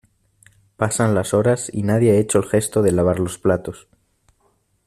Pasan las horas y nadie ha hecho el gesto de lavar los platos.